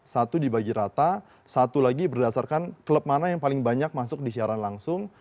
satu dibagi rata satu lagi berdasarkan klub mana yang paling banyak masuk di siaran langsung